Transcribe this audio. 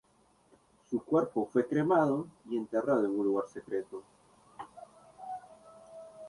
Su cuerpo fue cremado y enterrado en un lugar secreto.